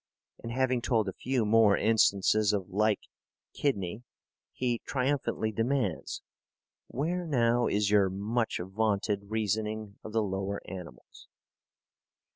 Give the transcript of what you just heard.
And, having told a few more instances of like kidney, he triumphantly demands: "Where now is your much vaunted reasoning of the lower animals?"